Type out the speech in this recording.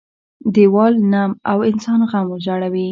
- دیوال نم او انسان غم زړوي.